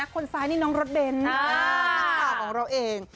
คนซ้ายนี่น้องโรดเบ้น